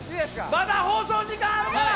まだ放送時間あるから！